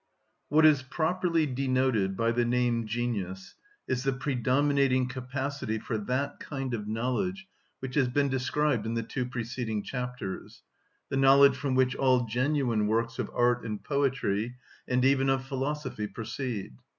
What is properly denoted by the name genius is the predominating capacity for that kind of knowledge which has been described in the two preceding chapters, the knowledge from which all genuine works of art and poetry, and even of philosophy, proceed.